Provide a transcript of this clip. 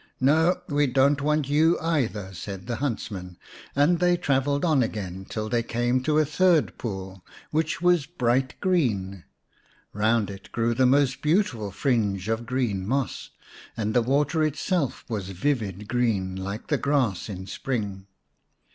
"No, we don't want you either," said the 200 xvn Or, the Moss Green Princess huntsmen, and they travelled on again till they came to a third pool, which was bright green. Kound it grew a most beautiful fringe of green moss, and the water itself was vivid green, like the grass in spring.